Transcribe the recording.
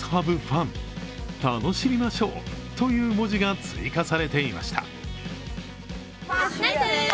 楽しみましょうという文字が追加されていました。